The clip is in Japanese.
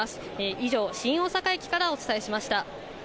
以上、新大阪駅からお伝えしました。